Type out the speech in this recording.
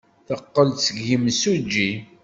Teqqel-d seg yimsujji.